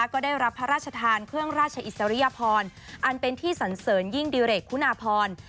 ก็ได้รับพระราชทานเครื่องราชอิสริยพรอันเป็นที่สันเสริญยิ่งดิเรกคุณาพร